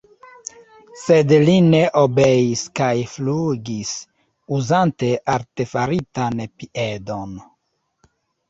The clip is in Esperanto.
Sed li ne obeis kaj flugis, uzante artefaritan piedon.